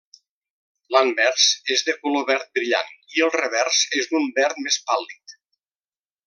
L'anvers és de color verd brillant, i el revers és d'un verd més pàl·lid.